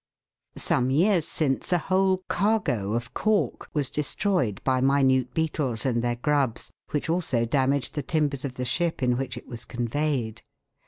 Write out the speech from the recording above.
Some years since a whole cargo of cork was destroyed by minute beetles and their grubs, which also damaged the timbers of the ship in which it was conveyed.